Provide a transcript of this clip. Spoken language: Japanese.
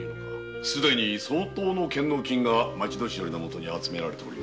すでに相当の献納金が町年寄のもとに集まっています。